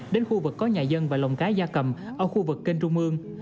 đến khu vực có nhà dân và lồng cá gia cầm ở khu vực kênh trung mương